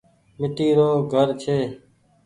ميٽي رو گهر ڇي۔